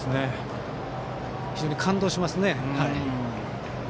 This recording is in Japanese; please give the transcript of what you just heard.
非常に感動しますね。